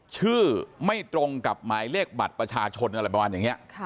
ชื่อไม่ตรงกับหมายเลขบัตรประชาชนอะไรประมาณอย่างนี้